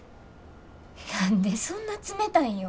何でそんな冷たいんよ。